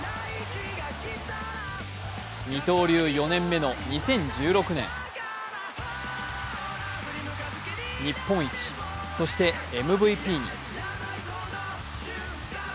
二刀流４年目の２０１６年、日本一、そしてＭＶＰに。